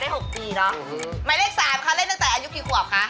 หมายเลขสามคะเล่นตั้งแต่อายุกี่ขวบคะ